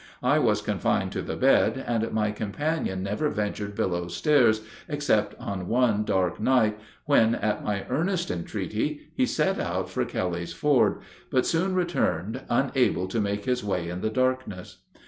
I was confined to the bed, and my companion never ventured below stairs except on one dark night, when at my earnest entreaty he set out for Kelly's Ford, but soon returned unable to make his way in the darkness.